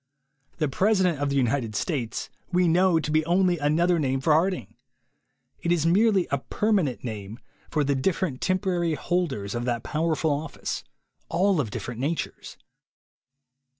The President of the United States we know to be only another name for Harding. It is merely a permanent name for the different temporary holders of that power ful office, all of different natures.